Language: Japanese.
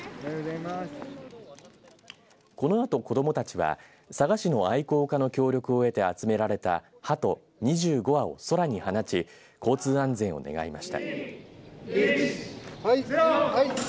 このあと、子どもたちは佐賀市の愛好家の協力を得て集められたはと２５羽を空に放ち交通安全を願いました。